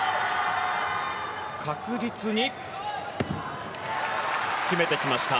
確実に決めてきました。